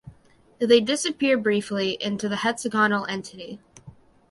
They disappear briefly into the hexagonal entity.